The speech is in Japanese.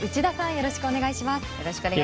よろしくお願いします。